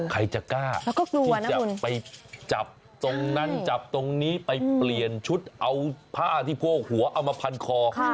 ใครจะกล้าที่จะไปจับตรงนั้นจับตรงนี้ไปเปลี่ยนชุดเอาผ้าที่โพกหัวเอามาพันคอ